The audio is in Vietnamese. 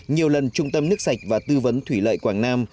nhiều lần trung tâm nước sạch và tư vấn thủy lợi quảng nam